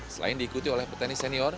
selain diikuti oleh petenis senior